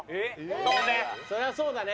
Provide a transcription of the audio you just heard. そりゃそうだね。